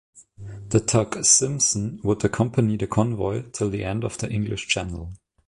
The tug "Simson" would accompany the convoy till the end of the English Channel.